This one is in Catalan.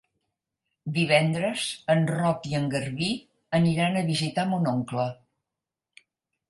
Divendres en Roc i en Garbí aniran a visitar mon oncle.